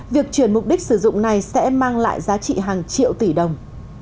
việc chuyển mục đích sử dụng này sẽ mang lại giá trị hàng triệu tỷ đồng